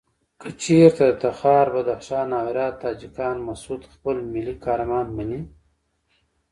کچېرته د تخار، بدخشان او هرات تاجکان مسعود خپل ملي قهرمان مني.